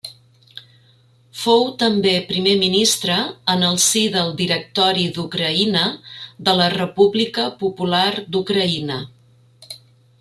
Fou també primer ministre en el si del Directori d'Ucraïna de la República Popular d'Ucraïna.